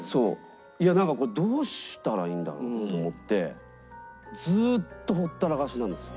なんかどうしたらいいんだろうと思ってずっとほったらかしなんですよ。